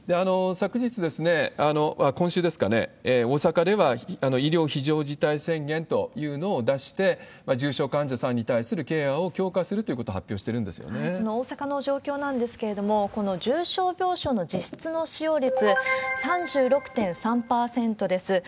昨日、今週ですかね、大阪では医療非常事態宣言というのを出して、重症患者さんに対するケアを強化するということを発表してるんでその大阪の状況なんですけれども、この重症病床の実質の使用率、３６．３％です。